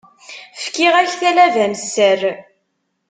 Fkiɣ-ak talaba n sser.